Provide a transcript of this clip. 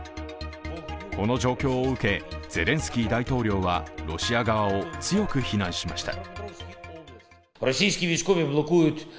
この状況を受け、ゼレンスキー大統領はロシア側を強く非難しました。